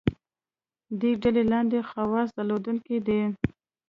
دې ډلې لاندې خواص درلودونکي دي.